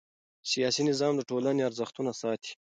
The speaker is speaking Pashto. سیاسي نظام د ټولنې ارزښتونه ساتي